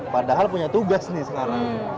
padahal punya tugas nih sekarang